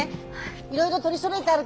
いろいろ取りそろえてあるから。